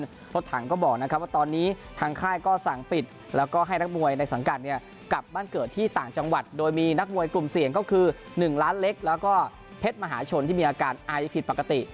รถถังก็บอกนะครับว่าตอนนี้ทางค่ายก็สั่งปิดแล้วก็ให้นักมวยในสังกัดเนี่ยกลับบ้านเกิดที่ต่างจังหวัดโดยมีนักมวยกลุ่มเสี่ยงก็คือ๑ล้านเล็กแล้วก็เพชรมหาชนที่มีอาการไอผิดปกติ